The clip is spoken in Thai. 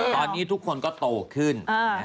ตอนนี้ทุกคนก็โตขึ้น